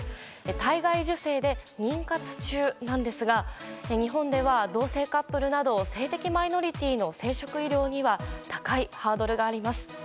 体外受精で妊活中なんですが日本では、同性カップルなど性的マイノリティーの生殖医療には高いハードルがあります。